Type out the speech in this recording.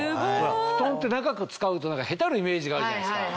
布団って長く使うとへたるイメージがあるじゃないですか。